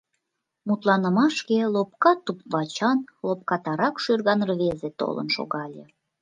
Мутланымашке лопка туп-вачан, лопкатарак шӱрган рвезе толын шогале.